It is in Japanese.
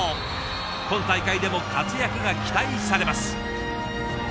今大会でも活躍が期待されます。